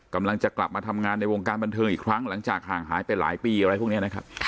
กำลังจะกลับมาทำงานในวงการบันเทิงอีกครั้งหลังจากห่างหายไปหลายปีอะไรพวกนี้นะครับ